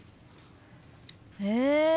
へえ！